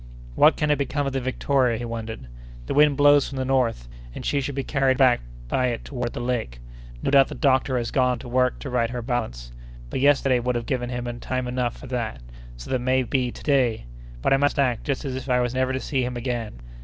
"What can have become of the Victoria?" he wondered. "The wind blows from the north, and she should be carried back by it toward the lake. No doubt the doctor has gone to work to right her balance, but yesterday would have given him time enough for that, so that may be to day—but I must act just as if I was never to see him again.